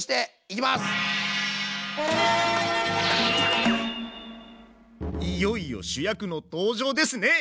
続いてはいよいよ主役の登場ですね！